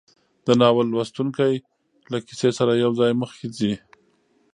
د ناول لوستونکی له کیسې سره یوځای مخکې ځي.